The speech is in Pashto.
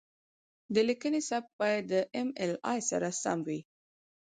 د لیکنې سبک باید د ایم ایل اې سره سم وي.